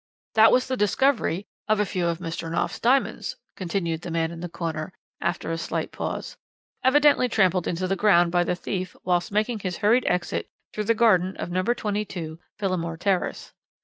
"That was the discovery of a few of Mr. Knopf's diamonds," continued the man in the corner after a slight pause, "evidently trampled into the ground by the thief whilst making his hurried exit through the garden of No. 22, Phillimore Terrace.